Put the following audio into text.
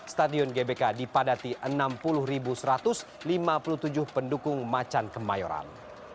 stadion gbk dipadati enam puluh satu ratus lima puluh tujuh pendukung macan kemayoran